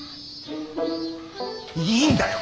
いいんだよ